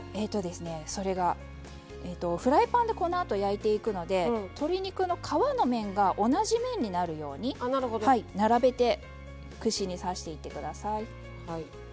それがフライパンでこのあと焼いていくので鶏肉の皮の面が同じようになるように並べて串に刺していってください。